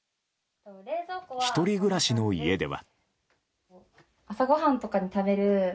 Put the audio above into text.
１人暮らしの家では。